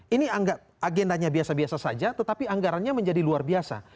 ini agendanya biasa biasa saja tetapi anggarannya menjadi luar biasa